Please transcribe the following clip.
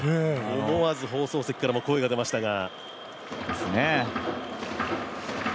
思わず放送席からも声が出ましたが。